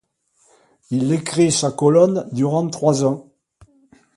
Il écrit sa colonne durant trois ans.